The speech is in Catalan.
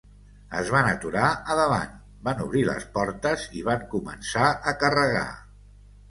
Es van aturar a davant, van obrir les portes i van començar a carregar.